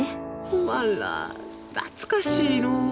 おまんら懐かしいのう。